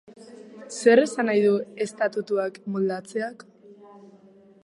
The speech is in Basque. Zer esan nahi du estatutuak moldatzeak?